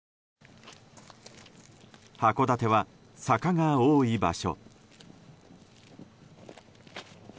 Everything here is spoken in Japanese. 函館は坂が多い場所。